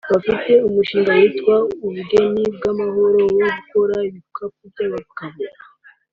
bafite umushinga witwa Ubugeni bw’amahoro wo gukora ibikapu by’abagabo